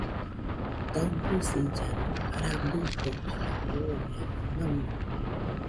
Taɨbɨsillano rabɨtofena jooeno maɨño